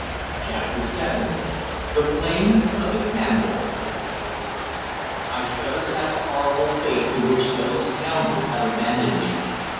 CHAPTER SEVEN THE FLAME OF THE CANDLE I shuddered at the horrible fate to which those scoundrels had abandoned me.